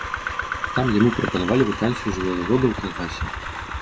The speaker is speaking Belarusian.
Там яму прапанавалі вакансію жывёлавода ў калгасе.